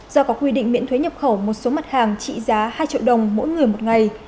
do có quy định miễn thuế nhập khẩu một số mặt hàng trị giá hai triệu đồng mỗi người một ngày